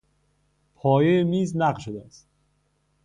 پایهی میز لق شده است.